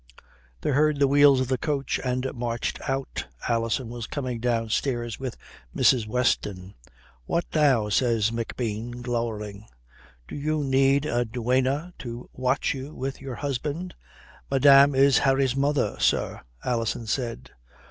They heard the wheels of the coach and marched out. Alison was coming downstairs with Mrs. Weston. "What now?" says McBean glowering. "Do you need a duenna to watch you with your husband?" "Madame is Harry's mother, sir," Alison said.